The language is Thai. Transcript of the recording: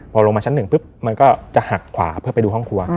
พอลงมาชั้น๑มันก็จะหักขวาเพื่อไปดูห้องครัว